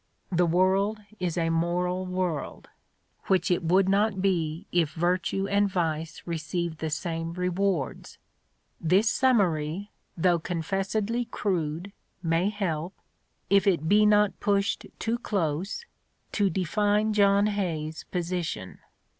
The world is a moral world, which it would not be if virtue and vice received the same rewards. This summary, though confessedly crude, may help, if it he not pushed too close, to define John Hay's position.